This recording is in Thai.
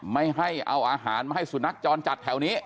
ไม่ให้เอาอาหารมาให้สุนัขจรจัดแถวนี้